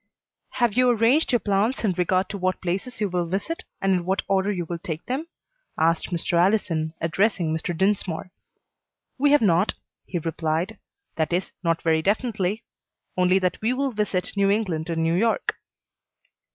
"Have you arranged your plans in regard to what places you will visit and in what order you will take them?" asked Mr. Allison, addressing Mr. Dinsmore. "We have not," he replied; "that is, not very definitely; only that we will visit New England and New York."